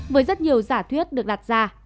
với rất nhiều giả thuyết được đặt ra